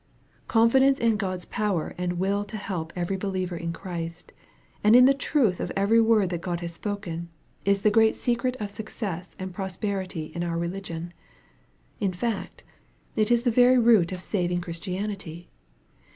Confidence in God's power and will to help every be liever in Christ, and in the truth of every word that God has spoken, is the grand secret of success and prosperity in our religion. In fact, it is the very root of saving Christianity.